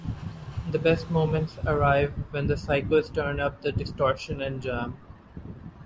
The best moments arrive when The Psychos turn up the distortion and jam.